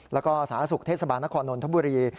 แล้วก็สาธารณสุขเทศบาลนครนนทบุรี